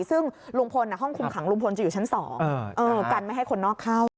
ซึ่งลุงพลห้องคุมขังลุงพลจะอยู่ชั้น๒กันไม่ให้คนนอกเข้า